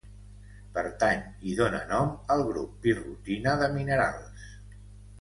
Pertany i dóna nom al grup pirrotina de minerals.